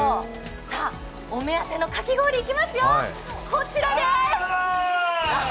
さあ、お目当てのかき氷、いきますよ、こちらです！